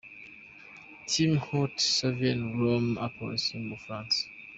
Team Haute-Savoie Rhône-Alpes yo mu Bufaransa.